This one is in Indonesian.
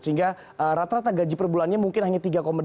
sehingga rata rata gaji per bulannya